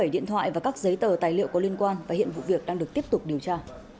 hai trăm sáu mươi bảy điện thoại và các giấy tờ tài liệu có liên quan và hiện vụ việc đang được tiếp tục điều tra